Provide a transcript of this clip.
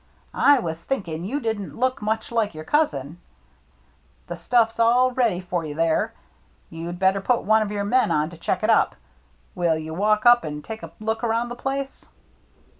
" I was thinking you didn't look much like your cousin. The stuffs all ready for you there. You'd better put one of your men on to check it up. Will you walk up and take a look around the place